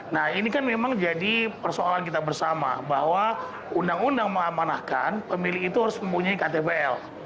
nah ini kan memang jadi persoalan kita bersama bahwa undang undang mengamanahkan pemilih itu harus mempunyai ktpl